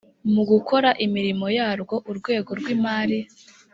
mu gukora imirimo yarwo urwego rw imari